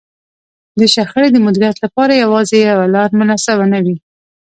د شخړې د مديريت لپاره يوازې يوه لار مناسبه نه وي.